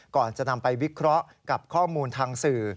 ก่อนจะนำไปวิเคราะห์กับข้อมูลทางสื่อ